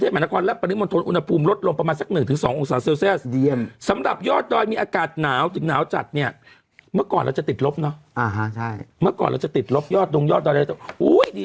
ไม่นี่พยากรเขาบอก๑๔๑๕มันจะลดลงนี่พรุ่งนี้